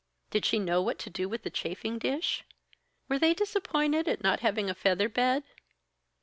"Did she know what to do with the chaffing dish?" "Were they disappointed at not having a feather bed?"